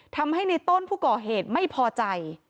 ทำให้ในต้นผู้ก่อเหตุไม่พอใจ